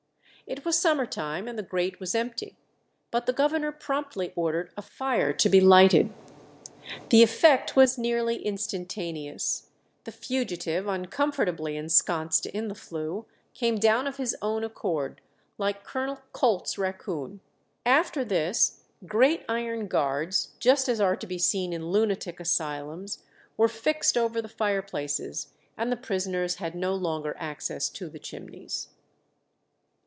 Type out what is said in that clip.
It was summer time, and the grate was empty, but the governor promptly ordered a fire to be lighted. The effect was nearly instantaneous; the fugitive, uncomfortably ensconced in the flue, came down of his own accord, like Colonel Colt's racoon. After this great iron guards, just as are to be seen in lunatic asylums, were fixed over the fireplaces, and the prisoners had no longer access to the chimneys.